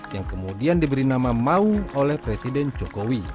yang kemudian diberi nama maung oleh presiden jokowi